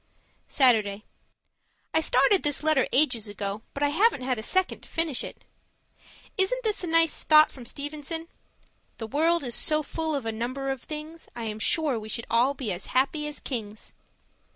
Saturday I started this letter ages ago, but I haven't had a second to finish it. Isn't this a nice thought from Stevenson? The world is so full of a number of things, I am sure we should all be as happy as kings.